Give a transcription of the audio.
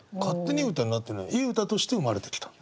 いい歌として生まれてきたんだ。